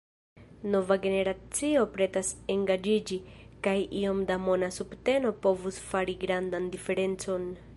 Nova generacio pretas engaĝiĝi, kaj iom da mona subteno povus fari grandan diferencon.